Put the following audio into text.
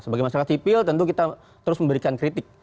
sebagai masyarakat sipil tentu kita terus memberikan kritik